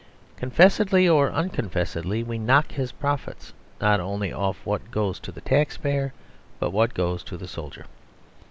Confessedly or unconfessedly we knock his profits, not only off what goes to the taxpayer, but what goes to the soldier.